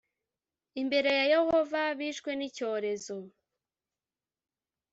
imbere ya yehova bishwe n’icyorezo